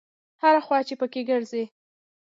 هره خوا چې په کې ګرځې.